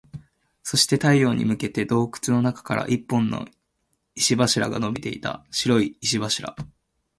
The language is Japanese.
そして、太陽に向けて洞窟の中から一本の石柱が伸びていた。白い石柱。